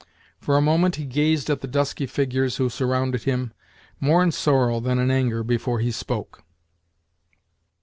For a moment he gazed at the dusky figures who surrounded him, more in sorrow than in anger before he spoke.